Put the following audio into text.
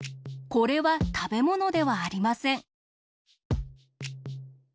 これはたべものではありません。